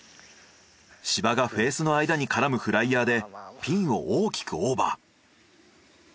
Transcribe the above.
芝がフェースの間に絡むフライヤーでピンを大きくオーバー。